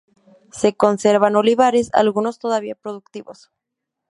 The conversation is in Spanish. Se conservan olivares, algunos todavía productivos.